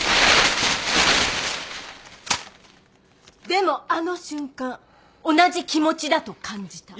「でもあの瞬間同じ気持ちだと感じた」